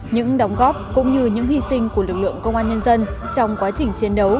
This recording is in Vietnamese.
những đóng góp cũng như những hy sinh của lực lượng công an nhân dân trong quá trình chiến đấu